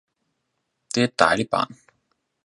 Det er et dejligt barn